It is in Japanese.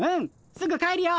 すぐ帰るよ。